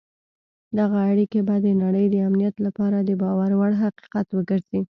دغه اړیکي به د نړۍ د امنیت لپاره د باور وړ حقیقت وګرځي.